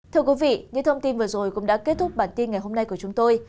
thưa quý vị những thông tin vừa rồi cũng đã kết thúc bản tin ngày hôm nay của chúng tôi